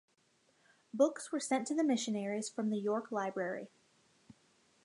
Books were sent to the missionaries from the York library.